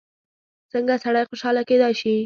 څنګه سړی خوشحاله کېدای شي؟